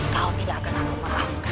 kau tidak akan aku maafkan